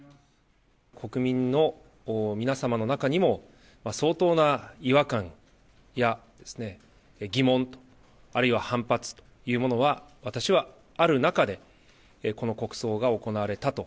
国民の皆様の中にも、相当な違和感や疑問、あるいは反発というものは、私はある中で、この国葬が行われたと。